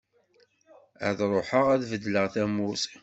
Ad ruḥeγ ad bedleγ tamurt.